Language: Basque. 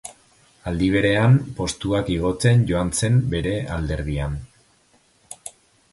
Aldi berean, postuak igotzen joan zen bere alderdian.